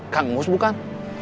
kang mus bukan